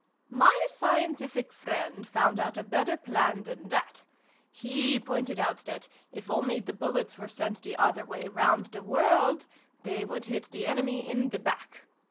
" My scientific friend found out a better plan than that. He pointed out that, if only the bullets were sent the other way round the world, they would hit the enemy in the back.